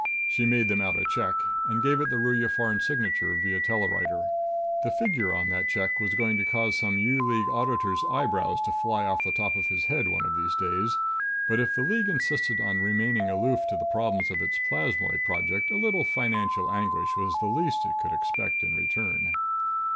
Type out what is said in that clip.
She made them out a check and gave it the Ruya Farn signature via telewriter. The figure on that check was going to cause some U League auditor's eyebrows to fly off the top of his head one of these days; but if the League insisted on remaining aloof to the problems of its Plasmoid Project, a little financial anguish was the least it could expect in return.